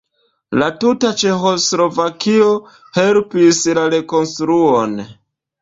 La tuta Ĉeĥoslovakio helpis la rekonstruon.